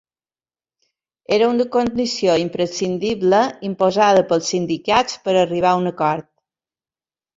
Era una condició imprescindible imposada pels sindicats per arribar a un acord.